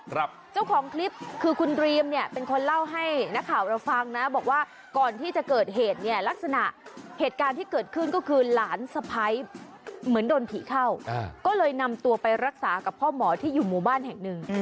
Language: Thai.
เจ้าของคลิปคือคุณดรีมเนี่ยเป็นคนเล่าให้นักข่าวเราฟังนะบอกว่าก่อนที่จะเกิดเหตุเนี่ยลักษณะเหตุการณ์ที่เกิดขึ้นก็คือหลานสะพ้ายเหมือนโดนผีเข้าอ่าก็เลยนำตัวไปรักษากับพ่อหมอที่อยู่หมู่บ้านแห่งหนึ่ง